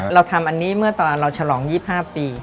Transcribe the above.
เราทำอันนี้เมื่อตอนเราฉลอง๒๕ปี